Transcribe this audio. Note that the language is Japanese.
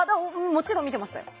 もちろん見てましたよ。